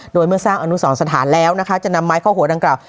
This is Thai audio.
โดยเมื่อสร้างอนุสรสถานแล้วนะคะจะนำไม้ข้อหัวดังกล่าว